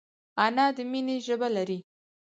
انا د مینې ژبه لري